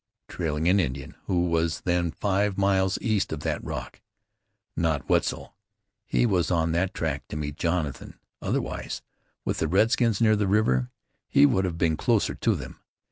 Trailing an Indian who was then five miles east of that rock? Not Wetzel! He was on that track to meet Jonathan. Otherwise, with the redskins near the river, he would have been closer to them.